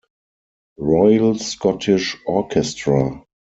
Royal Scottish Orchestra.